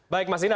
baik mas ina